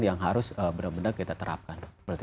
yang harus benar benar kita terapkan